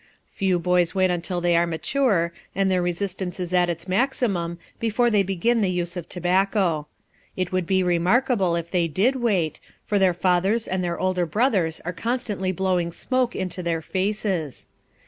Few boys wait until they are mature and their resistance is at its maximum before they begin the use of tobacco. It would be remarkable if they did wait, for their fathers and their older brothers are constantly blowing smoke into their faces.